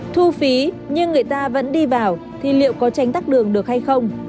thu phí nhưng người ta vẫn đi vào thì liệu có tránh tắt đường được hay không